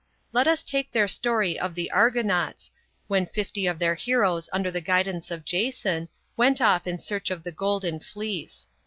Let us take their story of the Argonauts, when fifty of their heroes under the guidance of Jason, went off in search of the Goldefc Fleece.